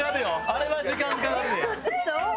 あれは時間かかるで。